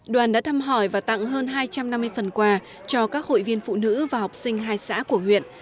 đoàn đã thăm hỏi và tặng hơn hai trăm năm mươi phần quà cho các hội viên phụ nữ và học sinh hai xã của huyện